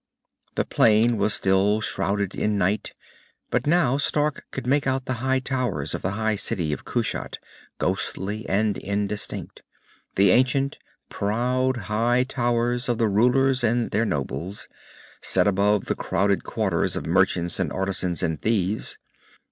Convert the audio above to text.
The plain was still shrouded in night, but now Stark could make out the high towers of the King City of Kushat, ghostly and indistinct the ancient, proud high towers of the rulers and their nobles, set above the crowded Quarters of merchants and artisans and thieves.